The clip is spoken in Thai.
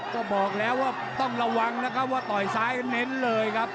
ก็บอกแล้วว่าต้องระวังนะครับว่าต่อยซ้ายเน้นเลยครับ